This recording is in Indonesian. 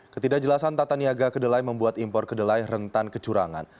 ketidakjelasan tata niaga kedelai membuat impor kedelai rentan kecurangan